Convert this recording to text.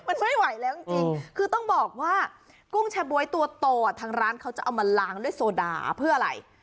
มันไม่ไหวแล้วจริงคือต้องบอกว่ากุ้งแชร์บ๊วยตัวโตทางร้านเขาจะเอามาล้างด้วยโซดาเพื่ออะไร